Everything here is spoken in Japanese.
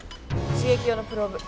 刺激用のプローブ。